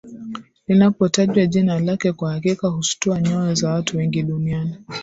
Linapotajwa jina lake kwa hakika hustua nyoyo za watu wengi duniani